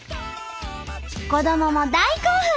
子どもも大興奮！